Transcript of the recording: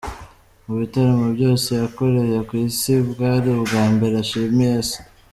Mu bitaramo byose yakoreye ku Isi, bwari ubwa mbere ashimiye se.